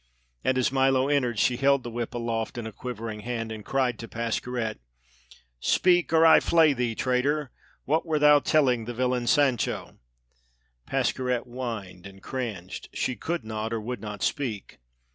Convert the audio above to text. And as Milo entered, she held the whip aloft in a quivering hand, and cried to Pascherette: "Speak, or I flay thee, traitor! What wert telling the villain, Sancho?" Pascherette whined and cringed; she could not, or would not speak.